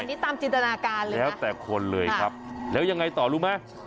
อันนี้ตามจินตนาการเลยแล้วแต่คนเลยครับแล้วยังไงต่อรู้ไหม